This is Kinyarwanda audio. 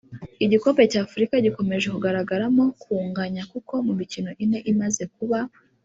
Igikombe cya Afurika gikomeje kugaragaramo kunganya kuko mu mikino ine imaze kuba